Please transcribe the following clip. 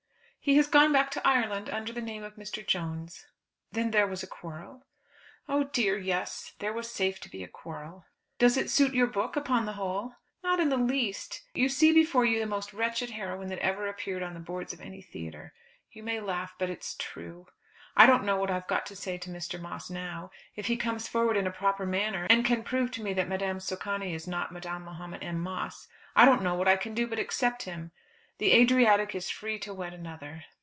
"He has gone back to Ireland under the name of Mr. Jones." "Then there was a quarrel?" "Oh dear yes! there was safe to be a quarrel." "Does it suit your book upon the whole?" "Not in the least. You see before you the most wretched heroine that ever appeared on the boards of any theatre. You may laugh, but it's true. I don't know what I've got to say to Mr. Moss now. If he comes forward in a proper manner, and can prove to me that Madame Socani is not Madame Mahomet M. Moss, I don't know what I can do but accept him. The Adriatic is free to wed another."